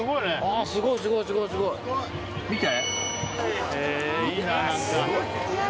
見て。